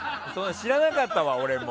知らなかったわ、俺も。